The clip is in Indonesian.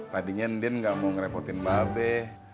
tadinya ndin nggak mau ngerepotin mba be